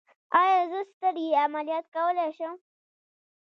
ایا زه سترګې عملیات کولی شم؟